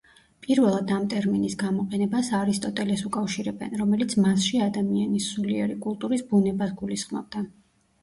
პირველად ამ ტერმინის გამოყენებას არისტოტელეს უკავშირებენ, რომელიც მასში ადამიანის სულიერი კულტურის ბუნებას გულისხმობდა.